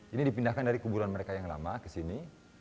ini dipindahkan dari kuburan mereka yang lama ke sini